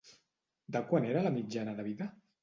De quant era la mitjana de vida?